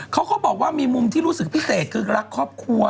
เขาก็บอกว่ามีมุมที่รู้สึกพิเศษคือรักครอบครัว